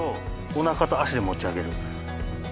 おなかと脚で持ち上げる。